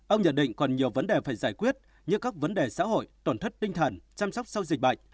ông nhận định còn nhiều vấn đề phải giải quyết như các vấn đề xã hội tổn thất tinh thần chăm sóc sau dịch bệnh